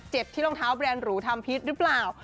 เจ็บที่รองเท้าแบรนด์หรูท่ำพิษรึเปล่า